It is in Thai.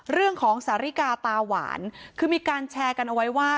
เรื่องของสาริกาตาหวานคือมีการแชร์กันเอาไว้ว่า